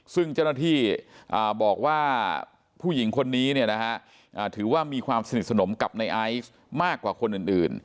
ซึ่งเจ้าหน้าที่บอกว่าผู้หญิงคนนี้ถือว่ามีความสนิทสนมกับในไอซ์มากกว่าคนอื่น